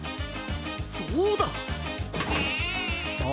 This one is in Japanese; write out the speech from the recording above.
そうだ！あ？